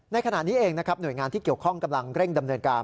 ในขณะนี้เองนะครับหน่วยงานที่เกี่ยวข้องกำลังเร่งดำเนินการ